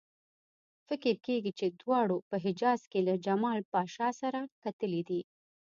فکر کېږي چې دواړو په حجاز کې له جمال پاشا سره کتلي دي.